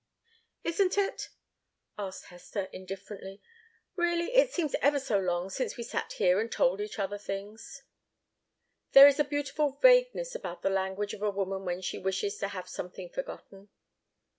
"Isn't it?" asked Hester, indifferently. "Really, it seems ever so long since we sat here and told each other things." There is a beautiful vagueness about the language of a woman when she wishes to have something forgotten.